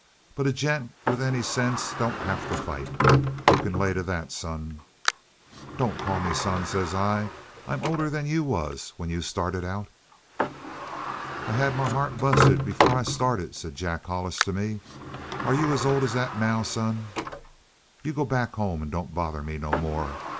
'But a gent with any sense don't have to fight. You can lay to that, son!' "'Don't call me son,' says I. 'I'm older than you was when you started out.' "I'd had my heart busted before I started,' says Jack Hollis to me. 'Are you as old as that, son? You go back home and don't bother me no more.